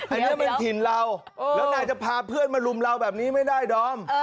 อันนี้เป็นถิ่นเราแล้วนายจะพาเพื่อนมารุมเราแบบนี้ไม่ได้ดอม